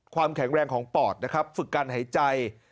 ความแข็งแรงของปอดนะครับฝึกการหายใจ